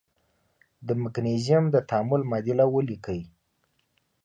د مګنیزیم د تعامل معادله ولیکئ.